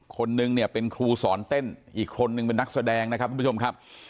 คนนึงเนี่ยเป็นครูสอนเต้นอีกคนนึงเป็นนักแสดงนะครับทุกผู้ชมครับ